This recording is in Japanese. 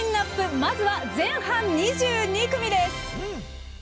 まずは前半２２組。